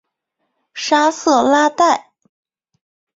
沙瑟拉代。